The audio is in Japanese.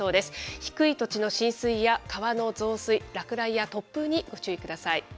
低い土地の浸水や川の増水、落雷や突風にご注意ください。